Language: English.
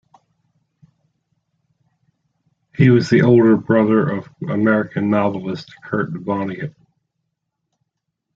He was the older brother of American novelist Kurt Vonnegut.